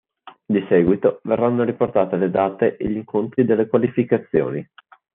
Di seguito verranno riportate le date e gli incontri delle qualificazioni.